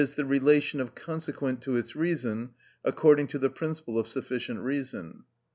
_, the relation of consequent to its reason, according to the principle of sufficient reason.